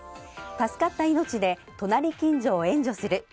助かった命で隣近所を援助する。